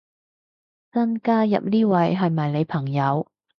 新加入呢位係咪你朋友